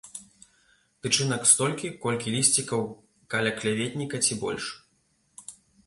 Тычынак столькі, колькі лісцікаў калякветніка ці больш.